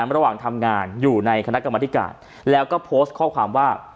ระหว่างทำงานอยู่ในคณะกรรมธิการแล้วก็โพสต์ข้อความว่า